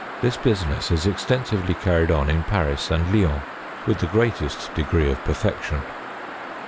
This business is extensively carried on in Paris and Lyons, with the greatest degree of perfection.